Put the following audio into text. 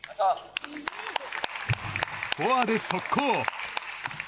フォアで速攻！